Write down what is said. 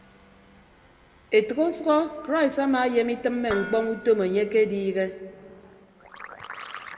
Etәk ọsʌhọ krais amaayem itịmme ñkpọñ utom enye akediihe.